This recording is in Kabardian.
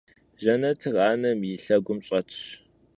Jjenetır anem yi lhegum ş'etş.